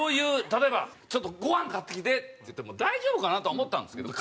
例えば「ちょっとごはん買ってきて」って言っても大丈夫かな？とは思ったんですけど。